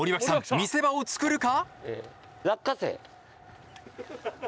見せ場を作るか？